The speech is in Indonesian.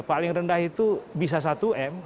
paling rendah itu bisa satu m